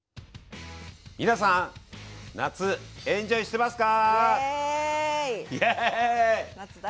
お子さんは夏休みエンジョイしてますか？